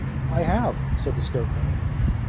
"I have," said the Scarecrow.